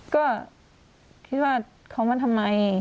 ก็คิดว่าเขามาทำไม